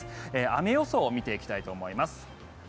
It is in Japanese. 雨予想を見ていきたいと思います。